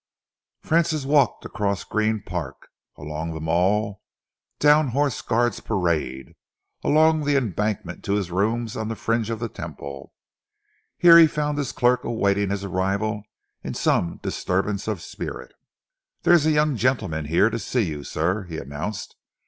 Francis walked across Green Park, along the Mall, down Horse Guards Parade, along the Embankment to his rooms on the fringe of the Temple. Here he found his clerk awaiting his arrival in some disturbance of spirit. "There is a young gentleman here to see you, sir," he announced.